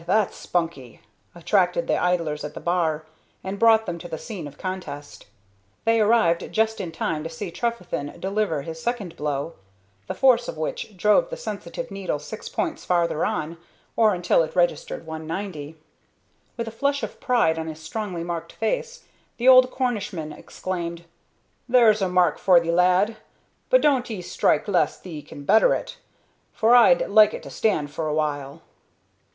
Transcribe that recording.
That's spunky," attracted the idlers at the bar and brought them to the scene of contest. They arrived just in time to see Trefethen deliver his second blow, the force of which drove the sensitive needle six points farther on, or until it registered 190. With a flush of pride on his strongly marked face, the old Cornishman exclaimed, "There's a mark for thee lad, but doan't 'ee strike 'less thee can better it, for I'd like it to stand for a while."